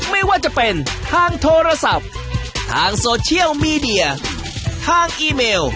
ไม่ว่าจะเป็นทางโทรศัพท์ทางโซเชียลมีเดียทางอีเมล